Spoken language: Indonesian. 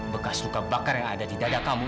bekas luka bakar yang ada di dada kamu